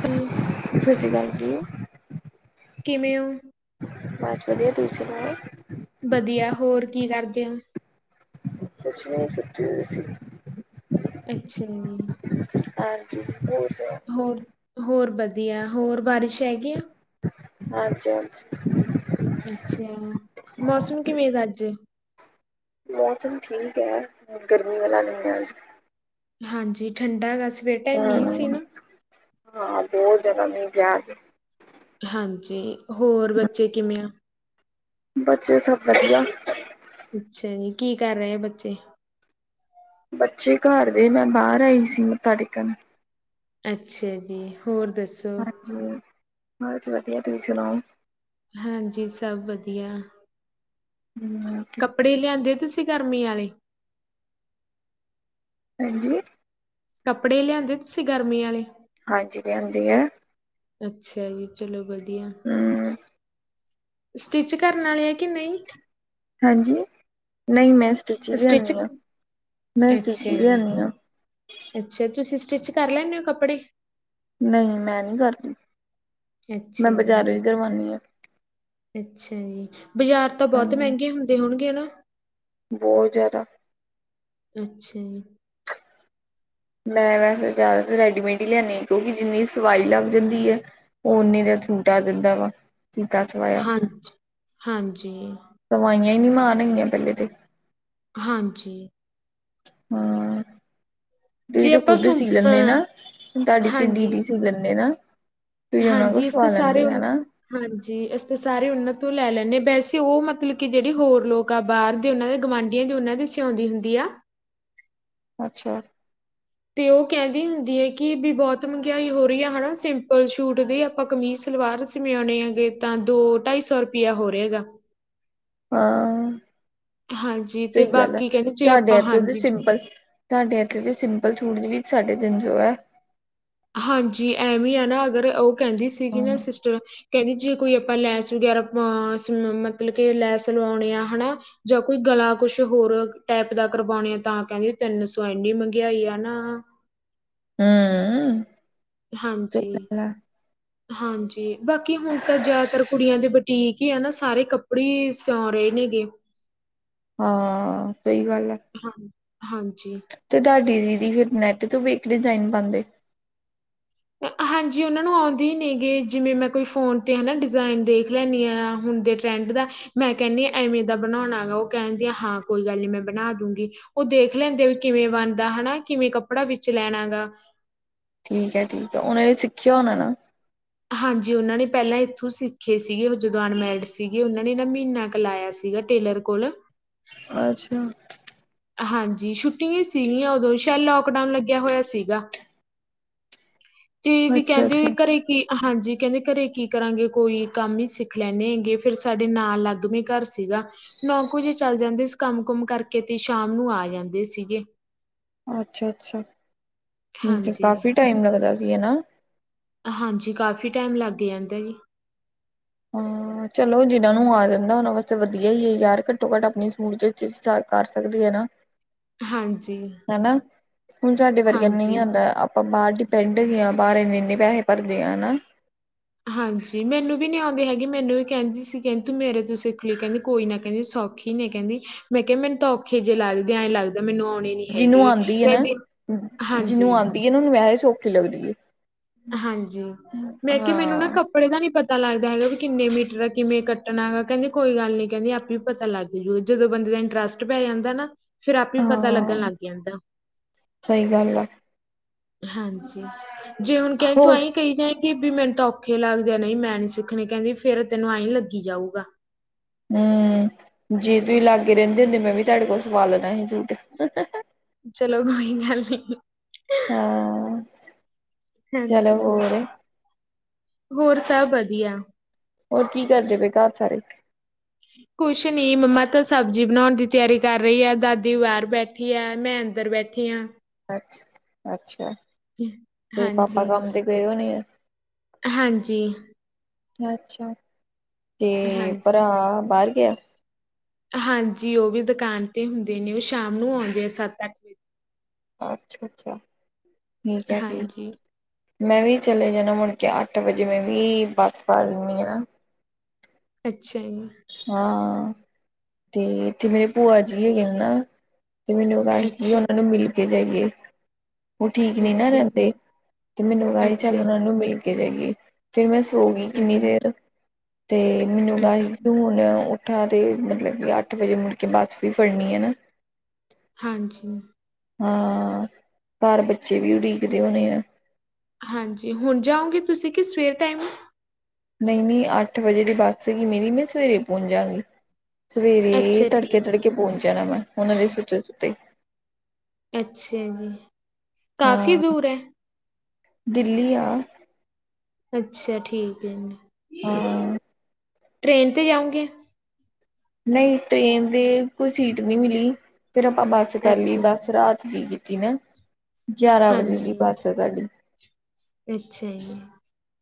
Free ਸਤ ਸ਼੍ਰਿਆਕਲ ਜੀ। ਕਿਵੇਂ ਔ? ਬਾਸ ਵਧੀਆ, ਤੁਸੀਂ ਸੁਣਾਓ? ਬਧੀਆ, ਹੋਰ ਕੀ ਕਰਦੇ ਔ? ਕੁਛ ਨੀ ਸੁਤੀ ਹੋਈ ਸੀ। ਅੱਛਾ ਜੀ। ਹਾਂਜੀ, ਹੋਰ ਸੁਣਾਓ ਹੋਰ ਹੋਰ, ਬਧੀਆ। ਹੋਰ ਬਾਰਿਸ਼ ਹੈਗੀ ਆ? ਹਾਂਜੇ ਹਾਂਜੀ। ਅੱਛਾ, ਮੌਸਮ ਕਿਵੇਂ ਦਾ ਅੱਜ? ਮੌਸਮ ਠੀਕ ਹੈ, ਗਰਮੀ ਵਾਲਾ ਨਹੀਂ ਹੈ ਅੱਜ ਹਾਂਜੀ ਠੰਡਾ ਐ ਵੈਸੇ ਹੂ, ਹਾਂ ਬਹੁਤ ਜਯਾਦਾ ਮਿਲ ਗਯਾ ਅਜ ਹਾਂਜੀ ਹੋਰ ਬੱਚੇ ਕਿਵੇਂ ਆ ਬੱਚੇ ਸਬ ਵਧੀਆ ਅੱਛਾ ਜੀ, ਕੀ ਕਰ ਰਹੇ ਐ ਬੱਚੇ ਬੱਚੇ ਘਰ ਨੇ, ਮੈਂ ਬਾਹਰ ਆਈ ਸੀ ਮੱਥਾ ਟੇਕਣ ਅੱਛਾ ਜੀ ਹੋਰ ਦੱਸੋ ਹਾਂਜੀ, ਬਸ ਵਧੀਆ ਤੁਸੀਂ ਸੁਣਾਓ ਹਾਂਜੀ ਸਭ ਵਧੀਆ ਹਮ [inaudible] ਕੱਪੜੇ ਲਿਆਂਦੇ ਤੁਸੀਂ ਗਰਮੀ ਆਲੇ ਹਾਂਜੀ ਕੱਪੜੇ ਲਿਆਂਦੇ ਤੁਸੀਂ ਗਰਮੀ ਆਲੇ ਹਾਂਜੀ ਲਿਆਂਦੇ ਐ ਅੱਛਾ ਜੀ ਚਲੋ ਵਧੀਆ ਹਮ, ਸਟਿੱਚ ਕਰਨ ਆਲੇ ਐ ਕਿ ਨਹੀਂ ਹਾਂਜੀ ਨਹੀਂ ਮੈਂ ਸਟੀਚ ਈ ਲਿਆਨੀ ਆਂ, ਸਟਿਚ ਮੈਂ ਅੱਛਾ ਸਟੀਚ ਈ ਜੀ ਲਿਆਨੀ ਆਂ ਅੱਛਾ ਤੁਸੀਂ ਸਟਿੱਚ ਕਰ ਲੈਂਨੇ ਔ ਕੱਪੜੇ ਨਹੀਂ ਮੈਂ ਨਹੀਂ ਕਰਦੀ ਅੱਛਾ ਮੈਂ ਜੀ ਬਜ਼ਾਰੋਂ ਹੀ ਕਰਵਾਨੀ ਆ ਅੱਛਾ ਜੀ ਬਾਜ਼ਾਰ ਤਾਂ ਬਹੁਤ ਹਾਂਜੀ, ਮਹਿੰਗੇ ਹੁੰਦੇ ਹੋਣਗੇ ਨਾ ਬਹੁਤ ਜ਼ਿਆਦਾ ਅੱਛਾ ਜੀ ਮੈਂ ਵੈਸੇ ਜ਼ਿਆਦਾਤਰ ਰੈਡੀਮੇਡ ਹੀ ਲਿਆਨੀ ਆਂ, ਕਿਉਂਕਿ ਜਿੰਨੀ ਸਵਾਈ ਲੱਗ ਜਾਂਦੀ ਹੈ ਔਨੇ ਦਾ ਛੂਟ ਆ ਜਿੰਦਾ ਵਾ ਸਿਤਾ ਸਵਾਇਆ, ਹਾਂਜੀ ਹਾਂਜੀ ਸਵਾਈਆਂ ਹੀ ਨੀ ਮਾਣ ਹੈਗੀਆਂ ਪਹਿਲੇ ਤੇ ਹਾਂਜੀ ਹਾਂ ਤੁਸੀਂ ਜੇ ਤੇ ਆਪਾਂ ਖੁੱਦ ਈ ਸੁ ਸੀ ਲੈਂਦੇ ਅ ਨਾ, ਤੁਹਾਡੀ ਤੇ ਹਾਂਜੀ ਦੀਦੀ ਸੀ ਲੈਂਦੇ ਨਾ ਤੁਸੀਂ ਉਹਨਾਂ ਕੋ ਹਾਂਜੀ ਇਸ ਸਵਾ ਤੇ ਸਾਰੇ ਲੈਂਦੇ ਉਨ ਹੈਨਾ ਹਾਂਜੀ ਅਸੀਂ ਤਾਂ ਸਾਰੇ ਉਹਨਾਂ ਤੋਂ ਲੈ ਲੈਂਨੇ ਆਂ, ਵੈਸੇ ਉਹ ਮਤਲਬ ਕਿ ਜਿਹੜੇ ਹੋਰ ਲੋਕ ਬਾਹਰ ਦੇ ਉਹਨਾਂ ਦੇ ਗੁਆਂਢੀਆਂ ਦੀ ਉਹਨਾਂ ਦੀ ਸਿਉਂਦੀ ਹੁੰਦੀ ਆ ਅੱਛਾ ਤੇ ਉਹ ਕਹਿੰਦੀ ਹੁੰਦੀ ਹੈ ਕਿ ਵੀ ਬਹੁਤ ਮਹਿੰਗਾਈ ਹੋ ਰਹੀ ਹੈ, ਹਨਾ ਸਿੰਪਲ ਸੂਟ ਦੀ ਆਪਾਂ ਕਮੀਜ਼ ਸਲਵਾਰ ਚ ਮਿਆਉਣੇ ਹੈਗੇ, ਤਾਂ ਦੋ ਢਾਈ ਸੌ ਰੁਪਇਆ ਹੋ ਰਿਹਾ ਹੈਗਾ ਹਾਂ ਹਾਂਜੀ ਤੇ ਸਹੀ ਗੱਲ ਹੈ, ਬਾਕੀ ਕਹਿੰਦੇ ਜੇ ਤੁਹਾਡੇ ਆਪਾਂ ਐਥੇ ਦੇ ਹਾਂਜੀ ਜ- ਸਿੰਪਲ ਸਾਡੇ ਇੱਥੇ ਦੇ ਸਿੰਪਲ ਸੂਟ ਦੀ ਵੀ ਸਾਡੇ ਤਿਨ ਸੋ ਐ ਹਾਂਜੀ, ਐਵੇਂ ਹੈ ਨਾ ਅਗਰ ਉਹ ਕਹਿੰਦੀ ਸੀਗੀ ਨਾ ਸਿਸਟਰ ਕਹਿੰਦੀ ਜੇ ਕੋਈ ਆਪਾਂ ਲੈਸ ਵਗੈਰਾ ਅ ਮਤਲਬ ਕਿ ਲੈਸ ਲਵਾਉਣੇ ਆ ਹਨਾ ਜਾਂ ਕੋਈ ਗਲਾ ਕੁਛ ਹੋਰ ਟਾਈਪ ਦਾ ਕਰਵਾਉਣੇ ਆ ਤਾਂ ਕਹਿੰਦੇ ਤਿੰਨ ਸੌ, ਐਨੀ ਮਹਿੰਗਾਈ ਆ ਨਾ ਹੂ ਹਾਂਜੀ ਹਾਂਜੀ ਬਾਕੀ ਹੁਣ ਤਾਂ ਜਆਦਾਤਰ ਕੁੜੀਆਂ ਦੇ ਬਟੀਕ ਈ ਐ ਨਾ ਸਾਰੇ ਕੱਪੜੇ ਸਿਉਂ ਰੇ ਨੇਗੇ। ਹਾਂ ਸਹੀ ਗੱਲ ਐ। ਹਾਂ ਹਾਂਜੀ। ਤੇ ਤੁਹਾਡੀ ਦੀਦੀ ਫਿਰ ਨੈੱਟ ਤੋਂ ਵੇਖ ਕੇ ਡਿਜ਼ਾਇਨ ਪਾਂਦੇ। ਹਾਂਜੀ ਓਨਾਂ ਨੂੰ ਆਉਂਦੀ ਨੇ ਗੇ ਜਿਵੇਂ ਮੈਂ ਕੋਈ ਫੋਨ ਤੇ ਹੈਨਾ ਡਿਜ਼ਾਇਨ ਦੇਖ ਲੈਂਣੀ ਹਾਂ ਹੁਣ ਦੇਖ ਟਰੈਂਡ ਦਾ, ਮੈਂ ਕੈਹਣੀ ਆਂ ਐਵੇਂ ਦਾ ਬਣਾਉਣਾ ਹੈਗਾ, ਓਹ ਕੈਹੰਦੀ ਆ ਹਾਂ ਕੋਈ ਗੱਲ ਨੀ ਮੈਂ ਬਣਾ ਦੂੰਗੀ। ਓਹ ਦੇਖ ਲੈਂਦੇ ਵੀ ਕਿਵੇਂ ਬਣਦਾ ਹੈਨਾ, ਕਿਵੇਂ ਕੱਪੜਾ ਵਿੱਚ ਲੈਣਾ ਐਗਾ। ਠੀਕ ਹੈ, ਠੀਕ ਹੈ, ਓਹਨਾਂ ਨੇ ਸਿੱਖਿਆ ਹੋਣਾ ਨਾ। ਹਾਂਜੀ ਓਹਨਾਂ ਨੇ ਪੈਹਲਾਂ ਇੱਥੋਂ ਸਿੱਖੇ ਸੀਗੇ, ਉਹ ਜੁਗਾੜਮੈਂਲਟ ਸੀਗੇ ਉਹਨਾਂ ਨੇ ਨਾ ਮੀਹਨਾ ਬਲਾਆ ਸੀਗਾ ਟੇਲਰ ਕੋਲ। ਅੱਛਾ। ਹਾਂਜੀ ਛੁੱਟੀਆਂ ਈ ਸੀਗੀਆਂ ਉਦੋਂ, ਸ਼ਾਇਦ ਲੋਕਡਾਊਨ ਲੱਗਿਆ ਹੋਆ ਸੀਗਾ। ਏ ਵੀ ਅੱਛਾ ਕੈਹੰਦੇ ਵੀ ਅੱਛਾ ਘਰੇ ਕੀ ਹਾਂਜੀ ਕੈਹੰਦੇ ਘਰੇ ਕੀ ਕਰਾਂਗੇ, ਕੋਈ ਕੰਮ ਈ ਸਿੱਖ ਲੈਂਣੇ ਹੈਗੇ, ਫਿਰ ਸਾਡੇ ਨਾਲ ਲਾੱਗ ਵੀ ਘਰ ਸੀਗਾ। ਨੌ ਕੁ ਵਜੇ ਚੱਲ ਜਾਂਦੇ ਸੀ ਕੰਮ-ਕੁਮ ਕਰਕੇ, ਤੇ ਸ਼ਾਮ ਨੂੰ ਆ ਜਾਂਦੇ ਸੀਗੇ। ਅੱਛਾ-ਅੱਛਾ, ਹਾਂਜੀ ਕਾਫੀ ਟਾਈਮ ਲੱਗਦਾ ਸੀ ਹੈਨਾ। ਹਾਂਜੀ, ਕਾਫੀ ਟੈਮ ਲੱਗ ਜਾਂਦਾ ਜੀ। ਹਾਂ। ਚਲੋ ਜਿਨਾਂ ਨੂੰ ਆ ਜਾਂਦਾ ਓੱਨਾਂ ਵਾਸਤੇ ਵਧੀਆ ਈ ਹੈ ਯਾਰ, ਘੱਟੋ-ਘੱਟ ਆਪਨੇ ਸੂਟ ਸਟਿਚ-ਸਟਾ ਕਰ ਸਕਦੇ ਹੈ ਨਾ। ਹਾਂਜੀ ਹੈਨਾ, ਹੁਣ ਸਾਡੇ ਵਰਗੇਆ ਨੂੰ ਨਂਈ ਹਾਂਜੀ ਆਂਦਾ। ਆਪਾਂ ਬਾਹਰ ਡਿਪੈਂਡ ਐਗੇ ਆਂ, ਬਾਹਰ ਐਨੇ-ਐਨੇ ਪੈਸੇ ਭਰਦੇ ਆ ਨਾ। ਹਾਂਜੀ, ਮੈਨੂੰ ਵੀ ਨੀ ਆਉਂਦੇ ਹੈਗੀ, ਮੈਨੂੰ ਵੀ ਕੈਹੰਦੀ ਸੀ ਕੈਹੰਦੀ ਤੂੰ ਮੇਰੇ ਤੋਂ ਸਿੱਖ ਲਈ ਕੈਹੰਦੀ ਕੋਈ ਨਾ ਕੈਹੰਦੀ ਸੌਖੀ ਨਹੀਂ ਕੈਹੰਦੀ ਮੈਂ ਕੇਆ ਮੈਨੂੰ ਤਾਂ ਔਖੇ ਜੇ ਲੱਗਦੇਐਂ ਐਂ ਲੱਗਦਾ ਮੈਨੂੰ ਆਣੇ ਜਿਨੂੰ ਆਂਦੀ ਐ ਨਾ, ਹਾਂਜੀ ਜਿਨੂੰ ਆਂਦੀ ਐ ਨਾ, ਓਹਨੂੰ ਵੈਸੇ ਸੌਖੀ ਲੱਗਦੀ ਏ। ਹਾਂਜੀ, ਮੈਂ ਕੇਐ ਮੈਨੂੰ ਨਾ ਕੱਪ ੜੇ ਦਾ ਨੀ ਪਤਾ ਲੱਗਦਾ ਹੈਗਾ ਵੀ ਕਿੰਨੇ ਮੀਟਰ ਆ, ਕਿਵੇਂ ਕੱਟਣਾ ਹੈਗਾ, ਕੈਹੰਦੇ ਕੋਈ ਗੱਲ ਨੀ ਕੈਹੰਦੀ ਆਪੇ ਈ ਪਤਾ ਲੱਗ। ਜਦੋਂ ਬੰਦੇ ਦਾ ਇੰਟਰਸਟ ਪੈ ਜਾਂਦੈ ਨਾ, ਫੇਰ ਆਪੇ ਪਤਾ ਲੱਗਣ ਲੱਗ ਜਾਂਦੈ। ਸਈ ਗੱਲ ਆ। ਹਾਂਜੀ, ਜੇ ਹੁਣ ਕਹੇ ਤੂੰ ਹੋਰ ਆਈ ਕਈ ਜਾਈ ਵੀ ਬਇ ਮੈਨੂੰ ਤਾਂ ਔਖੇ ਲੱਗਦੇ ਆ, ਨਈ ਮੈਂ ਨੀ ਸਿੱਖਣੇ, ਕੈਹੰਦੀ ਫੇਰ ਤੈਨੂੰ ਐਂਈ ਲੱਗੀ ਜਾਊਗਾ। ਹੂੰ, ਜੇ ਤੁਸੀਂ ਲਾਗੇ ਰੈਹੰਦੇ ਹੁੰਦੇ, ਮੈਂ ਵੀ ਤੁਹਾਡੇ ਕੋਲ ਸਵਾ ਲੈਣਾ ਹੀ ਸੂਟ। ਚਲੋ, ਕੋਈ ਗੱਲ ਨੀ। ਹਾਂ। ਹਾਂਜੀ, ਹੋਰ ਸਭ ਵਧੀਆ। ਹੋਰ ਕੀ ਕਰਦੇ ਪਏ ਘਰ ਸਾਰੇ। ਕੁਛ ਨੀ ਮੰਮਾ ਤਾਂ ਸਬਜ਼ੀ ਬਣਾਉਣ ਦੀ ਤਿਆਰੀ ਕਰ ਰਈ ਐ, ਦਾਦੀ ਬਾਰ ਬੈਠ ਯਾਰ ਮੈਂ ਅੰਦਰ ਬੈਠੀ ਆਂ। ਅ-ਅੱਛਾ ਤੇ ਪਾਪਾ ਹਾਂਜੀ ਕੰਮ ਤੇ ਗਏ ਹੋਣੇ ਆ। ਹਾਂਜੀ। ਅੱਛਾ, ਤੇ ਹਾਂਜੀ, ਭਰਾ ਬਾਰ ਗਆ। ਹਾਂਜੀ ਓਹ ਵੀ ਦੁਕਾਨ ਤੇ ਹੁੰਦੇ ਨੇ ਓਹ ਸ਼ਾਮ ਨੂੰ ਆਉਂਣ ਗੇ ਸੱਤ-ਅੱਠ- ਅੱਛਾ-ਅੱਛਾ ਠੀਕ ਹੈ ਫੇਰ। ਹਾਂਜੀ, ਮੈਂ ਵੀ ਚਲੇ ਜਾਣਾ ਮੁੜ ਕੇ ਅੱਠ ਵਜੇ, ਮੈਂ ਵੀ ਬਸ ਫੜ ਲੈਂਣੀ ਆਂ। ਅੱਛਾ ਜੀ। ਹਾਂ, ਤੇ ਇੱਥੇ ਮੇਰੇ ਭੂਆ ਜੀ ਹੈਗੇ ਐ ਨਾ। ਤੇ ਮੈਨੂੰ ਵੀ ਅੱਛਾ, ਉਹਨਾਂ ਨੂੰ ਮਿਲ ਕੇ ਜਾਈਏ। ਉਹ ਠੀਕ ਨਹੀਂ ਨਾ ਅੱਛਾ ਜੀ, ਰਹਿੰਦੇ ਤੇ ਮੈਨੂੰ ਆਹ ਸੀ ਅੱਛਾ ਚੱਲ ਉਹ ਜੀ, ਨੂੰ ਮਿਲ ਕੇ ਜਾਈਏ। ਫਿਰ ਮੈਂ ਸੋ ਗਈ ਕਿੰਨੀ ਅੱਛਾ, ਦੇਰ ਤੇ ਮੈਨੂੰ ਹੈਗਾ ਸੀ ਅੱਛਾ ਹੁਣ ਉੱਠਾ ਤੇ ਮਤਲਬ ਕਿ ਅੱਠ ਵਜੇ ਮੁੜ ਕੇ ਬੱਸ ਵੀ ਫੜਨੀ ਹੈ ਨਾ। ਹਾਂਜੀ। ਹਾਂ ਘਰ ਬੱਚੇ ਵੀ ਉਡੀਕਦੇ ਹੋਣੇ ਆ। ਹਾਂਜੀ ਹੁਣ ਜਾਓਂਗੇ ਤੁਸੀਂ ਕਿ ਸਵੇਰ ਟਾਈਮ। ਨਹੀਂ, ਨਹੀਂ ਅੱਠ ਵਜੇ ਦੀ ਬੱਸ ਸੀਗੀ ਮੇਰੀ। ਮੈਂ ਸਵੇਰੇ ਪਹੁੰਚ ਜਾਂਗੀ। ਸਵੇਰੇ ਅੱਛਾ ਠੀਕ ਤੜਕੇ-ਤੜਕੇ ਪਹੁੰਚ ਜਾਣਾ ਮੈਂ ਉਹਨਾਂ ਦੇ ਸੁੱਤੇ-ਸੁੱਤੇ। ਅੱਛਾ ਜੀ, ਕਾਫ਼ੀ ਹਾਂ ਦੂਰ ਹੈ। ਦਿੱਲੀ ਆ! ਅੱਛਾ ਠੀਕ ਏ। ਹਾਂ। ਟਰੇੇਨ ਤੇ ਜਾਊਂਗੇ। ਨਹੀਂ ਟ੍ਰੇਨ ਦੇ ਕੋਈ ਸੀਟ ਨਹੀਂ ਮਿਲੀ, ਫਿਰ ਆਪਾਂ ਬੱਸ ਤੇ ਕਰ ਲਈ ਅੱਛਾ, ਬੱਸ ਰਾਤ ਦੀ ਕੀਤੀ ਨਾ ਗਿਆਰਾਂ ਵਜੇ ਦੀ ਹਾਂਜੀ, ਬੱਸ ਹੈ ਸਾਡੀ। ਅੱਛਾ ਜੀ।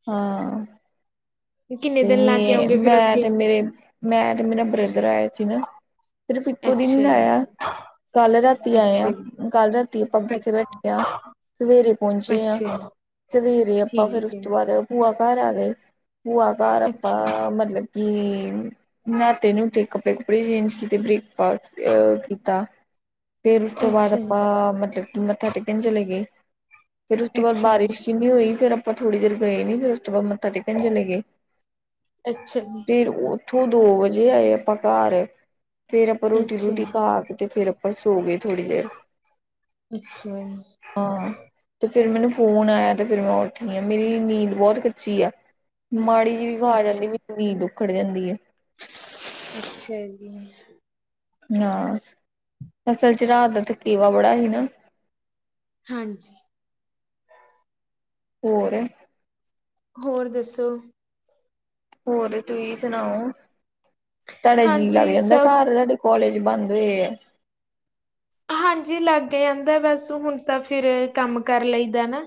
ਹਾਂ! ਕਿੰਨੇ ਤੇ ਦਿਨ ਲਾ ਕੇ ਮੈਂ- ਆਉਂਗੇ ਫਿਰ ਮੈਂ ਉੱਥੇ? ਤੇ ਮੇਰੇ ਮੈਂ ਤੇ ਮੇਰਾ ਬ੍ਰਦਰ ਆਇਆ ਸੀ ਨਾ। ਸਿਰਫ਼ ਇੱਕੋ ਦਿਨ ਅੱਛਾ ਜੀ, ਲਾਇਆ। ਕੱਲ ਰਾਤੀ ਆਏ ਆ, ਅੱਛਾ ਜੀ, ਕੱਲ ਰਾਤੀ ਬੱਸੇ ਅੱਛਾ, ਬੈਠੇ ਆ। ਸਵੇਰੇ ਪਹੁੰਚੇ ਆ ਅੱਛਾ ਸਵੇਰੇ ਜੀ, ਆਪਾਂ ਫੇਰ ਠੀਕ ਉਸ ਹੈ। ਤੋਂ ਬਾਅਦ ਭੂਆ ਘਰ ਆ ਗਏ, ਭੂਆ ਘਰ ਅੱਛਾ ਆਪਾਂ ਮਤਲਬ ਕਿ ਨਾਤੇ ਨੁਤੇ, ਕੱਪੜੇ ਕੂਪੜੇ ਚੇਂਜ ਕੀਤੇ, ਬ੍ਰੇਕਫਾਸਟ ਕੀਤਾ। ਫੇਰ ਉਸ ਤੋਂ ਬਾਅਦ ਅੱਛਾ ਜੀ ਆਪਾਂ ਮਤਲਬ ਮੱਥਾ ਟੇਕਣ ਚਲੇ ਗਏ ਫੇਰ ਉਸ ਤੋਂ ਬਾਅਦ ਅੱਛਾ ਜੀ ਬਾਰਿਸ਼ ਕਿੰਨੀ ਹੋਈ ਫਿਰ ਆਪਾਂ ਥੋੜ੍ਹੀ ਦੇਰ ਗਏ ਨੀ ਫੇਰ ਉਸ ਤੋਂ ਬਾਅਦ ਮੱਥਾ ਟੇਕਣ ਚਲੇ ਗਏ। ਅੱਛਾ ਜੀ। ਫਿਰ ਉੱਥੋਂ ਦੋ ਵਜੇ ਆਏ ਆਪਾਂ ਘਰ ਫੇਰ ਆਪਾਂ ਰੋਟੀ ਅੱਛਾ ਰੂਟੀ ਜੀ ਖਾ ਕੇ ਤੇ ਫਿਰ ਬਸ ਸੌ ਗਏ ਥੋੜੀ ਦੇਰ। ਅੱਛਾ! ਹਾਂ ਤੇ ਫਿਰ ਮੈਨੂੰ ਫੋਨ ਆਇਆ ਤੇ ਫਿਰ ਮੈਂ ਉੱਠੀ ਆ ਮੇਰੀ ਨੀਂਦ ਬਹੁਤ ਕੱਚੀ ਆ। ਮਾੜੀ ਜਿਹੀ ਵੀ ਅਵਾਜ਼ ਆ ਜਾਂਦੀ ਅੱਛਾ ਮੈਨੂੰ ਨੀਂਦ ਉੁੱਖੜ ਜਾਂਦੀ ਹੈ। ਅੱਛਾ ਜੀ! ਹਾਂ ਅਸਲ 'ਚ ਰਾਤ ਦਾ ਥਕੇਵਾ ਬੜਾ ਸੀ ਨਾ। ਹਾਂਜੀ। ਹੋਰ! ਹੋਰ ਦੱਸੋ? ਹੋਰ ਤੁਹੀ ਸੁਣਾਓ? ਤੁਹਾਡਾ ਜੀਅ ਲੱਗ ਹਾਂਜੀ ਜਾਂਦਾ ਸਭ ਘਰ ਸਾਡੇ ਕੋਲਜ ਬੰਦ ਹੋਏ ਆ। ਹਾਂਜੀ ਲਾਗ ਜਾਂਦਾ ਬਸ ਹੁਣ ਤਾਂ ਫਿਰ ਕੰਮ ਕਰ ਲਈਦਾ ਨਾ।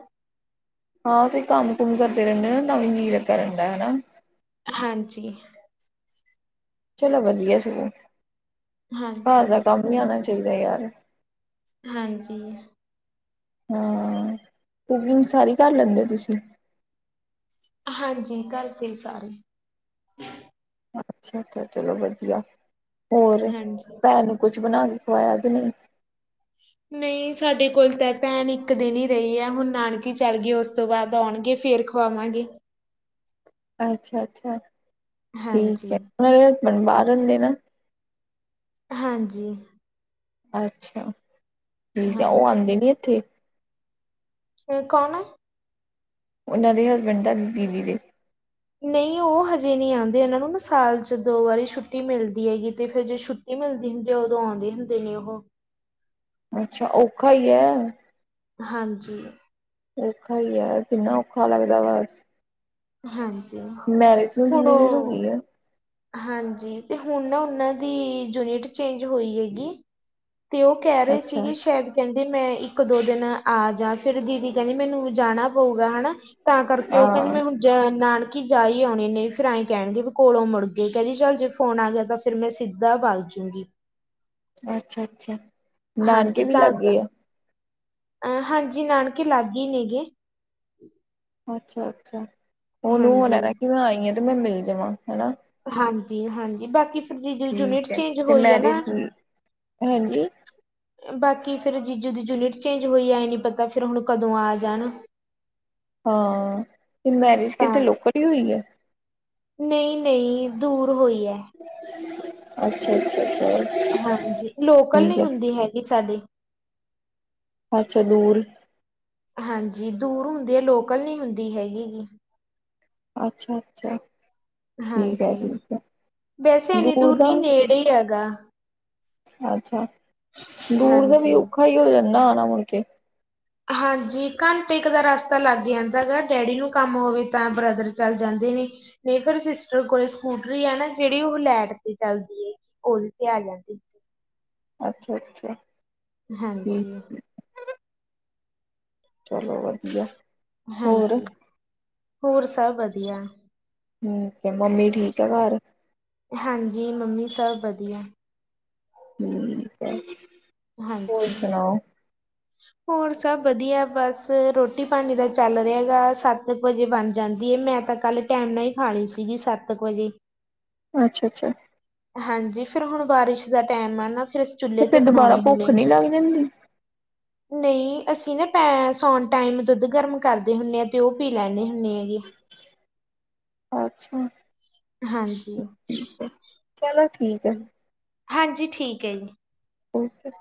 ਹਾਂ ਤੁਸੀ ਕੰਮ ਕੁਮ ਕਰਦੇ ਰਹਿੰਦੇ ਨਾ ਤਾਵੀਂ ਜੀ ਲੱਗਾ ਰਹਿਦਾ ਹਨਾ। ਹਾਂਜੀ। ਚਲੋ ਵਧੀਆ ਸਗੋਂ, ਹਾਂਜੀ ਘਰ ਦਾ ਕੰਮ ਹੀ ਆਉਣਾ ਚਾਹੀਦਾ ਯਾਰ। ਹਾਂਜੀ। ਹਾਂ ਕੁਕਿੰਗ ਸਾਰੀ ਕਰ ਲੈਂਦੇ ਹੋ ਤੁਸੀਂ। ਹਾਂਜੀ ਘਰ ਪੇ ਹੀ ਸਾਰੇ ਅੱਛਾ-ਅੱਛਾ ਚਲੋ ਵਧੀਆ, ਹੋਰ ਹਾਂਜੀ ਭੈਣ ਨੂੰ ਕੁਛ ਬਣਾ ਕੇ ਖਵਾਇਆ ਕਿ ਨਹੀਂ? ਨਹੀਂ ਸਾਡੇ ਕੋਲ ਤਾਂ ਭੈਣ ਇੱਕ ਦਿਨ ਹੀ ਰਹੀ ਹੈ ਹੁਣ ਨਾਨਕੇ ਚੱਲ ਗਈ ਉਸ ਤੋਂ ਬਾਅਦ ਆਉਣਗੇ ਫੇਰ ਖ ਖਵਾਵਾਂਗੇ। ਅੱਛਾ-ਅੱਛਾ ਠੀਕ ਹੈ, ਹਾਂਜੀ ਉਹਨਾਂ ਦੇ ਹਸਬੈਂਡ ਬਾਹਰ ਰਹਿੰਦੇ ਨਾ। ਹਾਂਜੀ। ਅੱਛਾ! ਠੀਕ ਆ ਉਹ ਆਂਦੇ ਹਾਂਜੀ ਨੀ ਇੱਥੇ। ਏ ਕੌਣ? ਉਹਨਾਂ ਦੇ ਹਸਬੈਂਡ ਤੁਹਾਡੀ ਦੀਦੀ ਦੇ। ਨਹੀਂ ਉਹ ਹਜੇ ਨਹੀਂ ਆਉਂਦੇ ਇਹਨਾਂ ਨੂੰ ਨਾ ਸਾਲ'ਚ ਦੋ ਵਾਰੀ ਛੁੱਟੀ ਮਿਲਦੀ ਹੈਗੀ ਤੇ ਫੇਰ ਜੇ ਛੁੱ ਟੀ ਮਿਲਦੀ ਹੁੰਦੀ ਉਦੋਂ ਆਉਂਦੇ ਹੁੰਦੇ ਨੇ ਉਹ ਅੱਛਾ ਔਖਾ ਹੀ ਐ। ਹਾਂਜੀ। ਔਖਾ ਹੀ ਐ ਕਿੰਨਾ ਔਖਾ ਲੱਗਦਾ ਵਾ। ਹਾਂਜੀ ਮੈਰਿਜ ਨੂੰ ਹੁਣ ਕਿੰਨੀ ਦੇਰ ਹੋ ਉਹ ਗਈ ਐ? ਹਾਂਜੀ ਤੇ ਹੁਣ ਨਾ ਉਹਨਾਂ ਦੀ ਯੂਨਿਟ ਚੇਂਜ ਹੋਈ ਹੈਗੀ। ਤੇ ਉਹ ਕਹਿ ਰਹੇ ਅੱਛਾ ਸੀਗੇ ਸ਼ਾਇਦ ਕਹਿੰਦੀ ਮੈਂ ਇੱਕ ਦੋ ਦਿਨ ਆ ਜਾ ਫਿਰ ਦੀਦੀ ਕਹਿੰਦੀ ਮੈਨੂੰ ਜਾਣਾ ਪਊਗਾ ਹਨਾ। ਤਾਂ ਕਰਕੇ ਉਹ ਕਹਿੰਦੀ ਹਾਂ ਮੈਂ ਹੁਣ ਨਾਨਕੀ ਜਾ ਹੀ ਆਉਣੇ ਨੇ ਫੇਰ ਆਏ ਕਹਿਣਗੇ ਵੀ ਕੋਲੋਂ ਮੁੜ ਗਏ ਕਹਿੰਦੀ ਚੱਲ ਜੇ ਫੋਨ ਆ ਗਿਆ ਤਾਂ ਫਿਰ ਮੈਂ ਸਿੱਧਾ ਬਗ ਜੂਗੀ। ਅੱਛਾ ਅੱਛਾ ਨਾਨਕੇ ਹਾਂਜੀ ਵੀ ਤਾਂ ਕ- ਲਾਗੇ ਆ। ਅ ਹਾਂਜੀ ਨਾਨਕੇ ਲਾਗੇ ਨੇ ਗੇ। ਅੱਛਾ-ਅੱਛਾ ਉਹਨੂੰ ਹਾਂਜੀ ਹੋਣਾ ਕਿ ਮੈਂ ਆਈ ਆ ਤੇ ਮੈਂ ਮਿਲ ਜਾਵਾਂ ਹਨਾ। ਹਾਂਜੀ-ਹਾਂਜੀ ਬਾਕੀ ਜੀਜੂ ਦੀ ਯੂਨਿਟ ਠੀਕ ਹੈ ਚੇਂਜ ਤੇ ਹੋਈ ਆ ਨਾ। ਮੈਰਿਜ ਹਾਂਜੀ ਬਾਕੀ ਫਿਰ ਜੀਜੂ ਦੀ ਯੂਨਿਟ ਚੇਂਜ ਹੋਈ ਆਏ ਨਹੀਂ ਪਤਾ ਫਿਰ ਹੁਣ ਕਦੋਂ ਆ ਜਾਣ। ਹਾਂ, ਤੇ ਮੈਰਿਜ ਕਿਤੇ ਲੋਕਲ ਹੀ ਹੋਈ ਏ। ਨਹੀਂ-ਨਹੀਂ ਦੂਰ ਹੋਈ ਹੈ। ਅੱਛਾ-ਅੱਛਾੱਛਾ। ਹਾਂਜੀ ਲੋਕਲ ਨਹੀਂ ਹੁੰਦੀ ਹੈਗੀ ਸਾਡੀ। ਅੱਛਾ ਦੂਰ ਹਾਂਜੀ ਦੂਰ ਹੁੰਦੇ ਆ ਲੋਕਲ ਨੀ ਹੁੰਦੀ ਹੈਗੀਗੀ। ਅੱਛਾ-ਅੱਛਾ। ਹਾਂਜੀ, ਵੈਸੇ ਇੰਨੀ ਦੂਰ ਨਹੀਂ ਨੇੜੇ ਹੀ ਹੈਗਾ। ਅੱਛਾ ਦੂਰ ਦਾ ਵੀ ਹਾਂਜੀ ਔਖਾ ਹੀ ਹੋ ਜਾਂਦਾ ਆਣਾ ਮੁੜਕੇ ਹਾਂਜੀ ਘੰਟੇ ਕ ਦਾ ਰਸਤਾ ਲੱਗ ਜਾਂਦਾ ਗਾ ਡੈਡੀ ਨੂੰ ਕੰਮ ਹੋਵੇ ਤਾਂ ਬ੍ਰਦਰ ਚੱਲ ਜਾਂਦੇ ਨੇ। ਨਹੀਂ ਫੇਰ ਸਿਸਟਰ ਕੋਲ ਸਕੂਟਰੀ ਹੈ ਨਾ। ਜਿਹੜੀ ਉਹ ਲੈਟ ਤੇ ਚਲਦੀ ਉਹਦੇ ਤੇ ਆ ਜਾਂਦੀ। ਅੱਛਾ-ਅੱਛਾ। ਹਾਂਜੀ। ਚਲੋ ਵ ਹਾਂਜੀ। ਹੋਰ ਸਭ ਵਧੀਆ। ਹੂੰ ਤੇ ਮੰਮੀ ਠੀਕ ਆ ਘਰ। ਹਾਂਜੀ ਮੰਮੀ ਸਭ ਵਧੀਆ। ਹੋਰ ਬਸ। ਹਾਂਜੀ। ਹੋਰ ਸਭ ਵਧੀਆ ਬਸ ਰੋਟੀ ਪਾਣੀ ਤਾਂ ਚੱਲ ਰਿਹਾ ਗਾ ਸੱਤ ਕੁ ਵਜੇ ਬਣ ਜਾਂਦੀ ਹੈ ਮੈਂ ਤਾਂ ਕੱਲ ਟਾਈਮ ਨਾਲ ਹੀ ਖਾਣੀ ਸੀਗੀ ਸੱਤ ਕੁ ਵਜੇ। ਅੱਛਾ ਅੱਛਾ। ਹਾਂਜੀ ਫਿਰ ਹੁਣ ਬਾਰਿਸ਼ ਦਾ ਟੈਮ ਆ ਨਾ ਫਿਰ ਅਸੀ ਚੁੱਲੇ ਤੇ ਫਿਰ ਦੁਬਾਰਾ ਬਣਾਉਣੇ ਭੁੱਖ ਹੁੰਨੇ। ਨਹੀਂ ਲੱਗ ਜਾਂਦੀ। ਨਹੀਂ ਅਸੀਂ ਨਾ ਪੈ ਸੌਣ ਟਾਈਮ ਦੁੱਧ ਗਰਮ ਕਰਦੇ ਹੁੰਦੇ ਹਾਂ ਤੇ ਉਹ ਪੀ ਲੈਂਦੇ ਹੁੰਦੇ ਆ ਜੀ। ਅੱਛਾ ਹਾਂਜੀ ਚਲੋ ਠੀਕ ਹੈ ਹ ਹਾਂਜੀ ਠੀਕ ਹੈ ਜੀ। ਓਕੇ